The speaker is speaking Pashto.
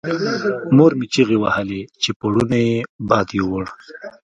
مور مې چیغې وهلې چې پوړونی یې باد یووړ.